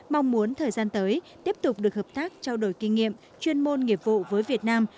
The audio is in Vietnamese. mong muốn thời gian tới tiếp tục được hợp tác trao đổi kinh nghiệm chuyên môn nghiệp vụ với việt nam